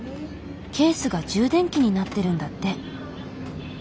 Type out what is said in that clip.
ケースが充電器になってるんだって。